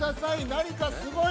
何かすごい。